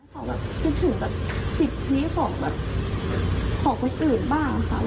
ขอแบบคิดถึงแบบสิทธิของแบบของคนอื่นบ้างค่ะ